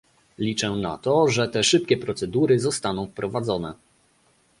Liczę na to, że te szybkie procedury zostaną wprowadzone